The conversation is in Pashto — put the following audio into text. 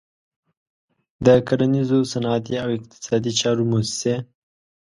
د کرنیزو، صنعتي او اقتصادي چارو موسسې.